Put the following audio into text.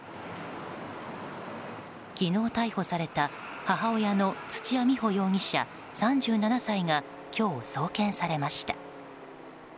昨日逮捕された母親の土屋美保容疑者、３７歳が今日、送検されました。